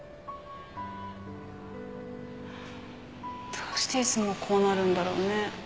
どうしていつもこうなるんだろうね。